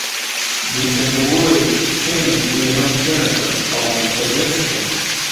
دوی ته مې وویل: کښینئ. دوی هم کښېنستل او منتظر شول.